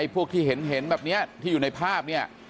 พวกที่เห็นแบบนี้ที่อยู่ในภาพเนี่ย